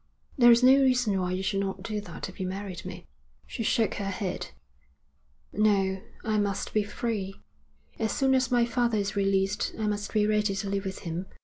'There is no reason why you should not do that if you married me.' She shook her head. 'No, I must be free. As soon as my father is released I must be ready to live with him.